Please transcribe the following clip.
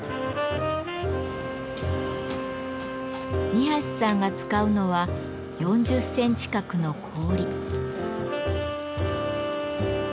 二さんが使うのは４０センチ角の氷。